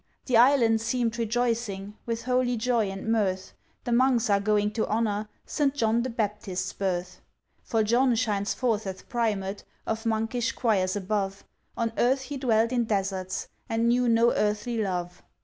The Island seem'd rejoicing, With holy joy and mirth, The Monks are going to honour St. John the Baptist's birth. For John shines forth as Primate Of Monkish Choirs above, On earth he dwelt in deserts, And knew no earthly love.